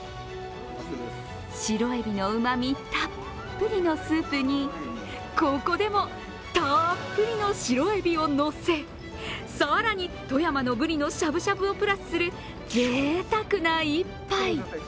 白えびのうまみたっぷりのスープに、ここでもたっぷりの白えびをのせ更に富山のぶりのしゃぶしゃぶをプラスするぜいたくな一杯。